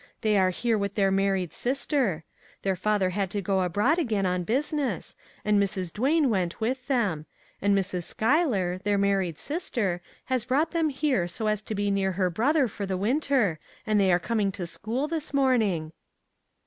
They are here with their married sister. Their father had to go abroad again on business, and Mrs. Duane went with him; and Mrs. Schuy ler, their married sister, has brought them here 320 A MEMORABLE BIRTHDAY so as to be near her brother for the winter, and they are coming to school this morning."